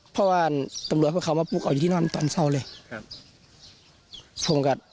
เพราะว่าตำรวจเขามาปลูกออกอยู่ที่นอนตอนเศร้าเลย